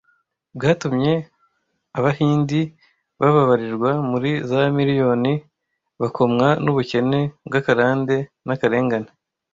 bwatumye Abahindi babarirwa muri za miriyoni bokamwa n’ubukene bw’akarande n’akarengane